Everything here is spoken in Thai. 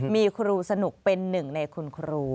มีครูสนุกเป็นหนึ่งในคุณครู